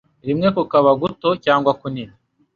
rimwe kukaba guto cyangwa kunini.